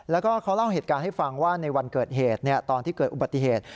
แล้วก็เขาเล่าเหตุการณ์ให้ฟังว่าในวันเกิดเหตุตอนที่เกิดอุบัติเหตุ